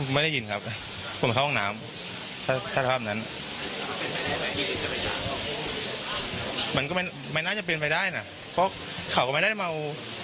ไม่ได้ยินกับเพราะเข้าห้องน้ำ